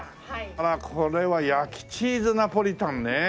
あらこれは焼きチーズナポリタンね。